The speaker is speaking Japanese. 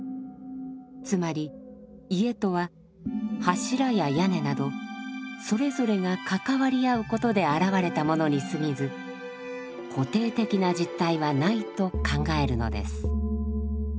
つまり家とは柱や屋根などそれぞれが関わり合うことで現れたものにすぎず固定的な実体はないと考えるのです。